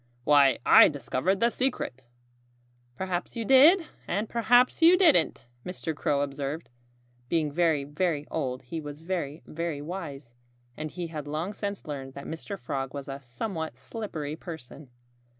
"Why, I discovered the secret!" "Perhaps you did and perhaps you didn't," Mr. Crow observed. Being very, very old, he was very, very wise. And he had long since learned that Mr. Frog was a somewhat slippery person.